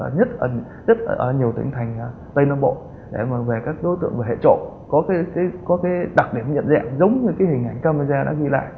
nhất ở rất nhiều tỉnh thành tây nam bộ về các đối tượng và hệ trộn có đặc điểm nhận dạng giống như hình ảnh camera đã ghi lại